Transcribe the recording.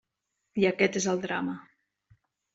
I aquest és el drama.